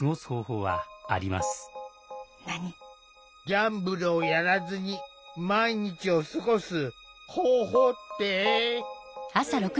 ギャンブルをやらずに毎日を過ごす方法って？